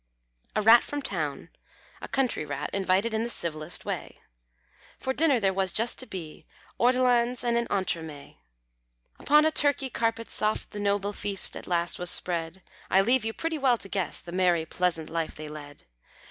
A Rat from town, a country Rat Invited in the civilest way; For dinner there was just to be Ortolans and an entremet. Upon a Turkey carpet soft The noble feast at last was spread; I leave you pretty well to guess The merry, pleasant life they led.